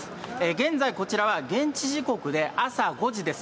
現在、こちらは現地時刻で朝５時です。